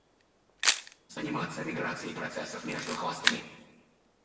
Заниматься миграцией процессов между хостами